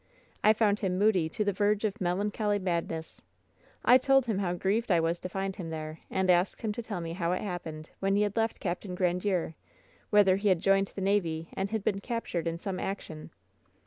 I found him moody to the verge of melancholy madness. I told him how grieved I was to find him there, and asked him to tell me how it hap pened, when he had left Capt. Grandiere, whether he had joined the navy and had been captured in some action."